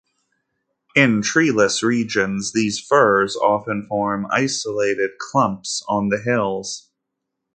In treeless regions these firs often form isolated clumps on the hills.